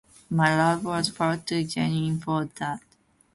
My love was far too genuine for that.